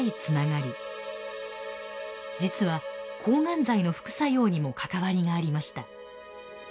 実は抗がん剤の副作用にもかかわりがありました。